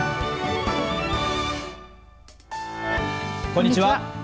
こんにちは。